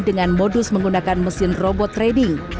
dengan modus menggunakan mesin robot trading